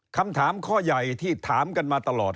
คำถามข้อใหญ่ที่ถามกันมาตลอด